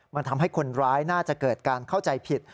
มันทำให้คนร้ายน่าจะเกิดการเข้าใจผิด